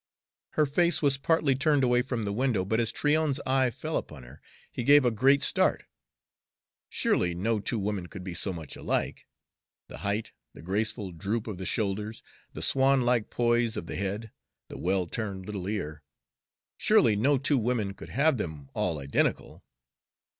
Her face was partly turned away from the window, but as Tryon's eye fell upon her, he gave a great start. Surely, no two women could be so much alike. The height, the graceful droop of the shoulders, the swan like poise of the head, the well turned little ear, surely, no two women could have them all identical!